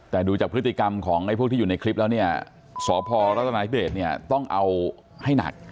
แต่ดูจากพฤติกรรมของไอ้พวกที่อยู่ในคลิปแล้วเนี่ยสพรัฐนาธิเบสเนี่ยต้องเอาให้หนัก